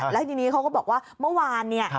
แล้วทีนี้เขาก็บอกว่าเมื่อวานเนี่ย